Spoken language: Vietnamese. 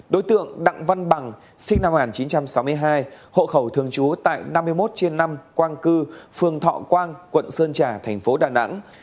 đối tượng đặng văn bằng sinh năm một nghìn chín trăm sáu mươi hai hộ khẩu thường trú tại năm mươi một trên năm quang cư phường thọ quang quận sơn trà thành phố đà nẵng